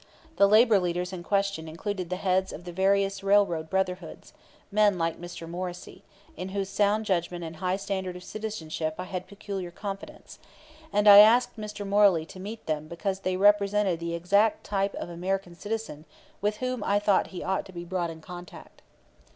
The labor leaders in question included the heads of the various railroad brotherhoods, men like Mr. Morrissey, in whose sound judgment and high standard of citizenship I had peculiar confidence; and I asked Mr. Morley to meet them because they represented the exact type of American citizen with whom I thought he ought to be brought in contact.